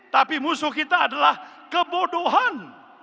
tapi musuh kita adalah kebodohan